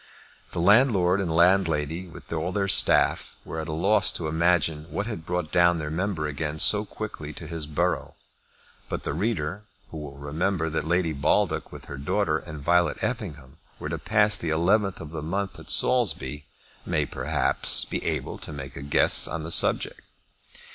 The landlord and landlady with all their staff were at a loss to imagine what had brought down their member again so quickly to his borough; but the reader, who will remember that Lady Baldock with her daughter and Violet Effingham were to pass the 11th of the month at Saulsby, may perhaps be able to make a guess on the subject.